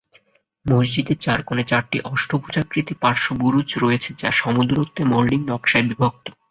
মসজিদের চার কোণে চারটি অষ্টভুজাকৃতির পার্শ্ব বুরুজ রয়েছে যা সমদূরত্বে মোল্ডিং নকশায় বিভক্ত।